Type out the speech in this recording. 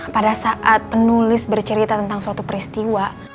pada saat penulis bercerita tentang suatu peristiwa